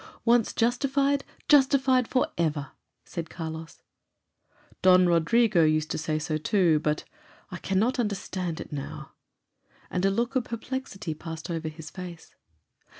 "Once justified, justified for ever," said Carlos. "Don Rodrigo used to say so too, but I cannot understand it now," and a look of perplexity passed over his face.